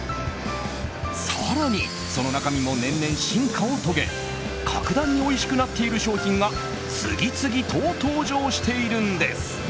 更に、その中身も年々進化を遂げ格段においしくなっている商品が次々と登場しているんです。